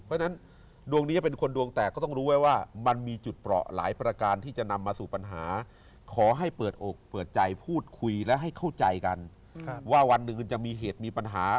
เพราะฉะนั้นดวงนี้เป็นคนดวงแตกก็ต้องรู้ไว้ว่า